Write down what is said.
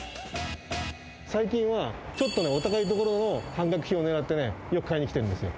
最近は、ちょっとね、お高いところの半額品を狙ってね、よく買いに来てるんですよ。